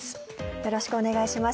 よろしくお願いします。